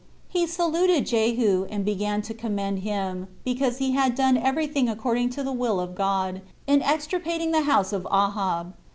He saluted Jehu, and began to commend him, because he had done every thing according to the will of God, in extirpating the house of Ahab.